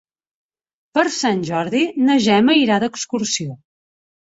Per Sant Jordi na Gemma irà d'excursió.